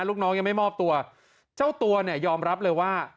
ลูกน้องยังไม่มอบตัวเจ้าตัวเนี่ยยอมรับเลยว่า